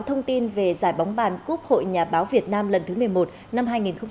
thông tin về giải bóng bàn cúp hội nhà báo việt nam lần thứ một mươi một năm hai nghìn một mươi bảy